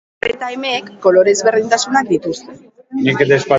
Ar eta emeek kolore ezberdintasunak dituzte.